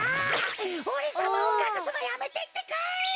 おれさまをかくすのやめてってか！